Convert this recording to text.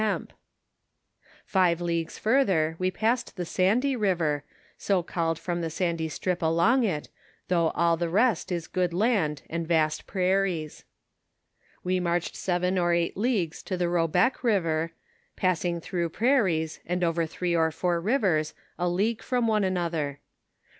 211 Five leaguos further, wo pnssod tho Sandy river, so called from the sandy strip along it, though all the rest is good land and vast prairies. Wo marched seven or eight leagues to Hobec river, passing through prairies, and over three or four rivers, a league from one another.